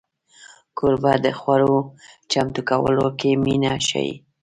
کوربه د خوړو چمتو کولو کې مینه ښيي.